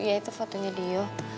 ya itu fotonya dio